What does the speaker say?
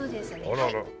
あらら。